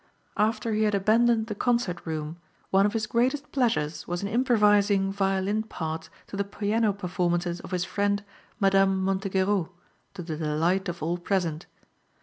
After he had abandoned the concert room one of his greatest pleasures was in improvising violin parts to the piano performances of his friend, Madame Montegerault, to the delight of all present.